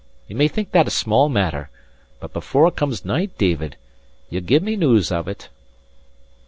Ye may think that a small matter; but before it comes night, David, ye'll give me news of it."